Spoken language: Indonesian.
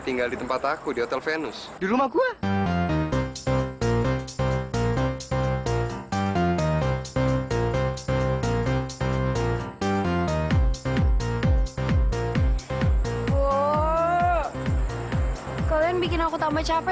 tinggal di tempat aku di hotel venus di rumah gue kalian bikin aku tambah capek